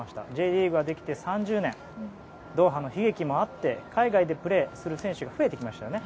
Ｊリーグができて３０年ドーハの悲劇もあって海外でプレーする選手増えてきましたよね。